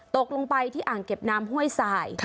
ตกลงไปที่อ่างเก็บน้ำห้วยสาย